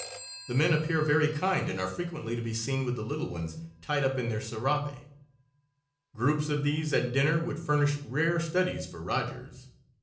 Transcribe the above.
The men appear very kind and are frequently to be seen with the little ones tied up in their serape. Groups of these at dinner would furnish rare studies for Rodgers.